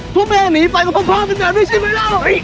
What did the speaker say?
พวกพ่อเองหนีไปพวกพ่อกันแบบนี้ใช่ไหมเรา